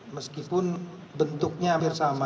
meskipun bentuknya hampir sama